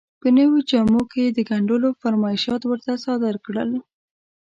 په نویو جامو کې یې د ګنډلو فرمایشات ورته صادر کړل.